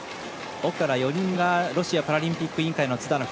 奥から４人目がロシアパラリンピック委員会のズダノフ。